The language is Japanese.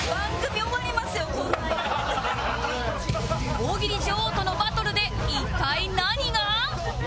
大喜利女王とのバトルで一体何が？